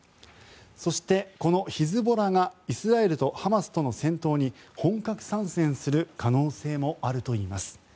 そして、このヒズボラがイスラエルとハマスとの戦闘に本格参戦する可能性もあるといいます。